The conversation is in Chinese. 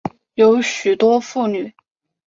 有许多妇女